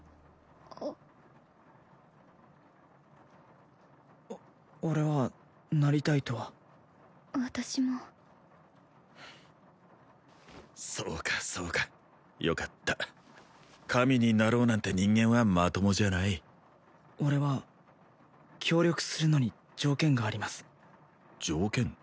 あっお俺はなりたいとは私もそうかそうかよかった神になろうなんて人間はまともじゃない俺は協力するのに条件があります条件？